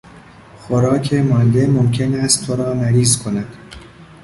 خوراک مانده ممکن است تو را مریض کند.